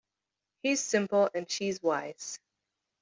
He's simple and she's wise.